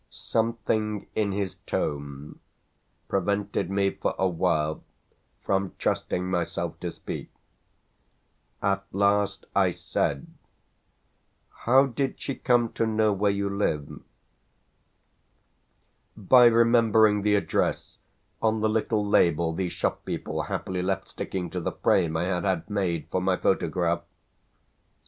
Something in his tone prevented me for a while from trusting myself to speak. At last I said: "How did she come to know where you live?" "By remembering the address on the little label the shop people happily left sticking to the frame I had had made for my photograph."